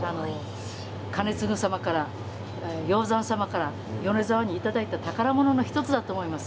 兼続様から、鷹山様から米沢にいただいた宝物の１つだと思います。